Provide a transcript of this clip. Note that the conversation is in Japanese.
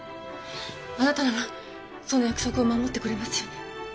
あなたならその約束を守ってくれますよね？